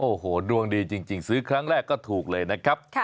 โอ้โหดวงดีจริงซื้อครั้งแรกก็ถูกเลยนะครับ